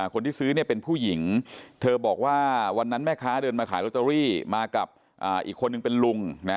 คนที่ซื้อเนี่ยเป็นผู้หญิงเธอบอกว่าวันนั้นแม่ค้าเดินมาขายลอตเตอรี่มากับอีกคนนึงเป็นลุงนะ